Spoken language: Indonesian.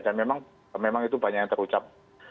dan memang itu banyak yang terucap